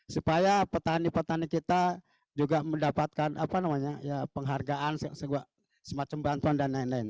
supaya petani petani kita juga mendapatkan penghargaan semacam bantuan dan lain lain